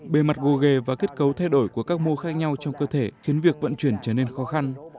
bề mặt gồ ghề và kết cấu thay đổi của các mô khác nhau trong cơ thể khiến việc vận chuyển trở nên khó khăn